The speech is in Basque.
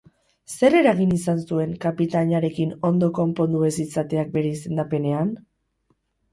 Zer eragin izan zuen kapitainarekin ondo konpondu ez izateak bere izendapenean?